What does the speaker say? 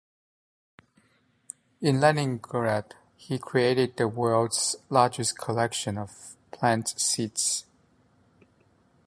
In Leningrad, he created the world's largest collection of plant seeds.